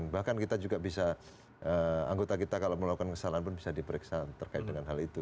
bahkan kita juga bisa anggota kita kalau melakukan kesalahan pun bisa diperiksa terkait dengan hal itu